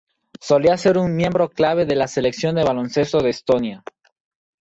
Solía ser un miembro clave de la selección de baloncesto de Estonia.